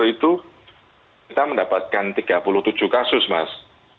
itu kita mendapatkan tiga puluh tujuh kasus mas